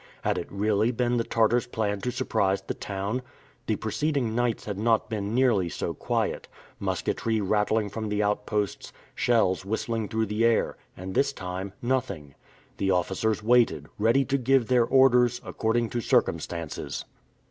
Had it really been the Tartars' plan to surprise the town? The preceding nights had not been nearly so quiet musketry rattling from the outposts, shells whistling through the air; and this time, nothing. The officers waited, ready to give their orders, according to circumstances.